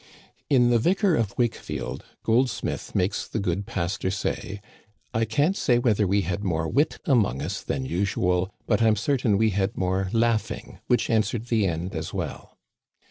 In The Vicar of Wakefield Goldsmith makes the good pastor say :" I can't say whether we had more wit among us than usual, but I'm certain we had more laughing, which an swered the end as well."